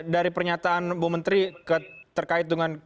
dari pernyataan bu menteri terkait dengan